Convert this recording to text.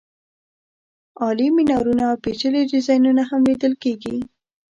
عالي مېنارونه او پېچلي ډیزاینونه هم لیدل کېږي.